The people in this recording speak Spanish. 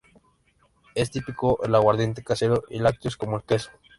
Es típico el aguardiente casero y lácteos como el queso.